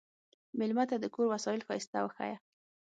مېلمه ته د کور وسایل ښايسته وښیه.